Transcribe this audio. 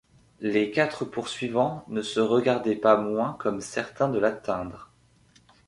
Les quatre poursuivants ne se regardaient pas moins comme certains de l’atteindre.